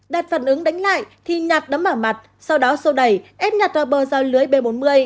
đạt phản ứng đánh lại thì nhạt đấm mở mặt sau đó sâu đẩy ép nhạt ra bờ giao lưới b bốn mươi